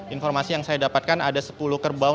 informasi yang saya dapatkan ada sepuluh kerbau